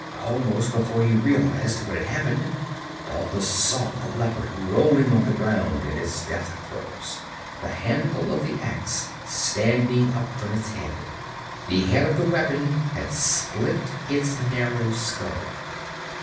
Almost before he realized what had happened, Balthus saw the leopard rolling on the ground in its death throes, the handle of the ax standing up from its head. The head of the weapon had split its narrow skull.